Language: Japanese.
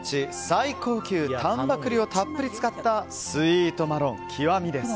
最高級丹波栗をたっぷり使ったスイートマロン極です。